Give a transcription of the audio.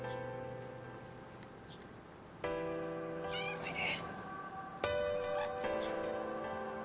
おいで。